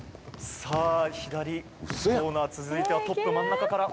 さぁ左コーナー続いてはトップ真ん中から。